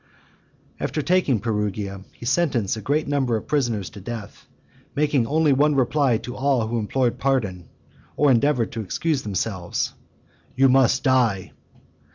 XV. After the taking of Perugia , he sentenced a great number of the prisoners to death, making only one reply to all who implored pardon, or endeavoured to excuse themselves, "You must die."